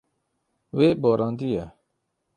Wê borandiye.